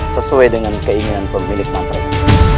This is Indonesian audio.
sesuai dengan keinginan pemilik mantra ini